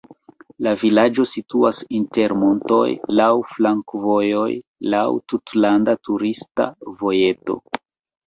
La vilaĝo situas inter montoj, laŭ flankovojoj, laŭ tutlanda turista vojeto.